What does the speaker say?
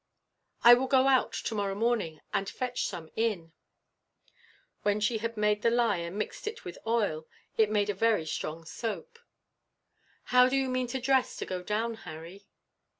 "I will go out, tomorrow morning, and fetch some in." When she had made the lye, and mixed it with oil, it made a very strong soap. "How do you mean to dress, to go down, Harry?"